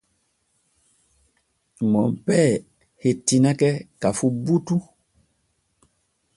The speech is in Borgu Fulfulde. Monpee hettinake ka fu butu.